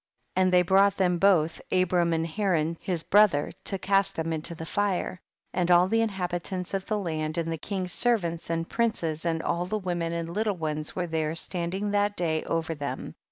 21. And they brought them both, Abram and Haran his brother, to cast tiiem into the fire ; and all the inhabitants of the land and the king's servants and princes and all the women and little ones were there, standing that day over them.